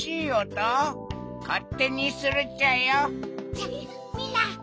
じゃみんな。